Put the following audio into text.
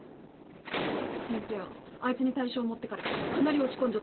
先生はあいつに大賞持ってかれてかなり落ち込んじょ